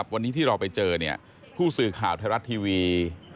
วันนี้ที่เราไปเจอผู้สื่อข่าวไทยรัฐทีวี